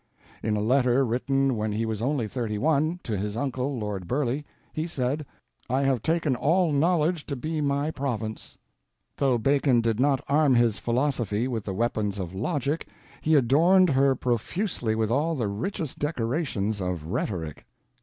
In a letter written when he was only thirty one, to his uncle, Lord Burleigh, he said, "I have taken all knowledge to be my province." Though Bacon did not arm his philosophy with the weapons of logic, he adorned her profusely with all the richest decorations of rhetoric.